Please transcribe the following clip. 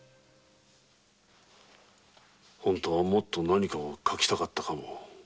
本当はもっと何か書きたかったのかも。